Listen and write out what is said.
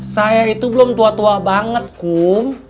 saya itu belum tua tua banget kum